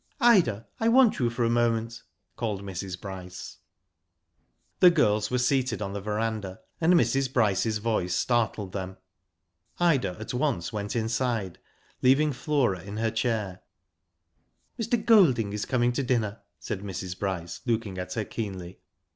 " Ida, I want you for a moment," called Mrs. Bryce. The girls were seated on the verandah, and Mrs. Bryce's voice startled them. Ida at once went inside, leaving Flora in her chair. " Mr. Golding is coming to dinner," said Mrs. Bryce, looking at her keenly.